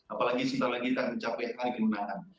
apalagi setelah kita mencapai hari kemenangan